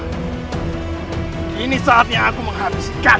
hai ini saatnya aku menghabiskan